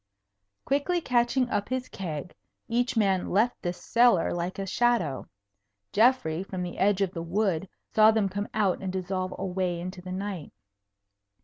Quickly catching up his keg, each man left the cellar like a shadow. Geoffrey, from the edge of the wood, saw them come out and dissolve away into the night.